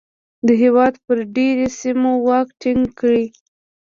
د هېواد پر ډېری سیمو واک ټینګ کړ.